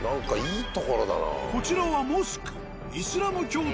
こちらはモスク。